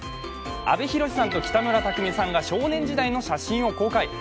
阿部寛さんと北村匠海さんが少年時代の写真を公開。